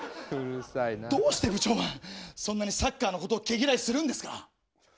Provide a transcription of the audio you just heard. どうして部長はそんなにサッカーのことを毛嫌いするんですか？